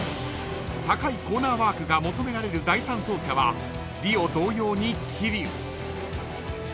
［高いコーナーワークが求められる第三走者はリオ同様に桐生］